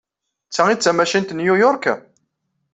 D ta ay d tamacint n New York?